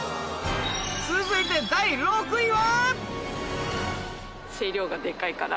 続いて第６位は？